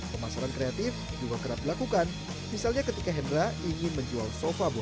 pemasaran kreatif juga kerap dilakukan misalnya ketika hendra ingin menjual sofa bola